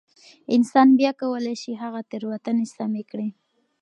انسان بيا کولای شي هغه تېروتنې سمې کړي.